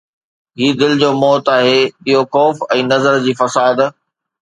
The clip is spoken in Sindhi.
هي دل جو موت آهي، اهو خوف ۽ نظر جي فساد